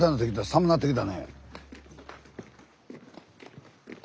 寒なってきた。